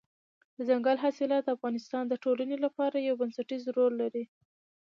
دځنګل حاصلات د افغانستان د ټولنې لپاره یو بنسټيز رول لري.